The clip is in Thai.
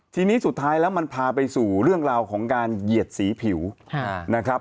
ทีนี้สุดท้ายแล้วมันพาไปสู่เรื่องราวของการเหยียดสีผิวนะครับ